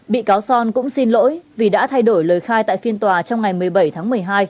bị cáo son cũng xin lỗi vì đã thay đổi lời khai tại phiên tòa trong ngày một mươi bảy tháng một mươi hai